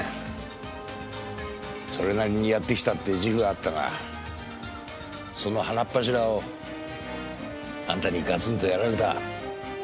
それなりにやってきたって自負はあったがその鼻っ柱をあんたにガツンとやられた。